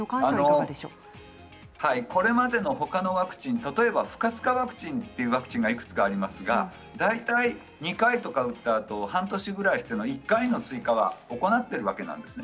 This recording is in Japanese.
これまでのほかのワクチン不活化ワクチンがいくつかありますが大体２回とかあったあと半年ぐらいして１回の追加は行っているわけです。